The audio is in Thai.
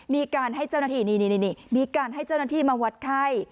มีการให้เจ้าหน้าที่นี่มีการให้เจ้าหน้าที่มาวัดไข้